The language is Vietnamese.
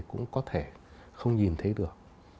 chúng ta cũng có thể không nhìn thấy được